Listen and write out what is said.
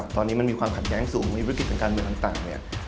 ตอนนี้มันมีความขัดแย้งสูงมีวิกฤตทางการเมืองต่างเนี่ย